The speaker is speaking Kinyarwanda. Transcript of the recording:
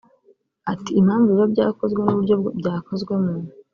Ati “Impamvu biba byakozwe n’uburyo byakozwemo